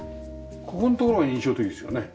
ここのところが印象的ですよね。